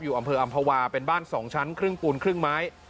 อำเภออำภาวาเป็นบ้าน๒ชั้นครึ่งปูนครึ่งไม้